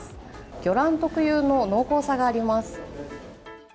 魚卵特有の濃厚さがあります。